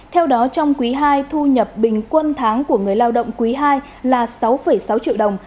theo đó trong quý ii thu nhập bình quân tháng của người lao động quý ii là sáu sáu triệu đồng